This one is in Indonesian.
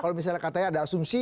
kalau misalnya katanya ada asumsi